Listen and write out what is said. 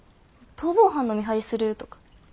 逃亡犯の見張りするとか。